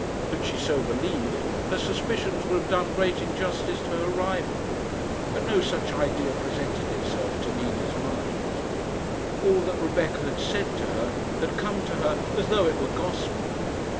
Had she so believed, her suspicions would have done great injustice to her rival; but no such idea presented itself to Nina's mind. All that Rebecca had said to her had come to her as though it were gospel.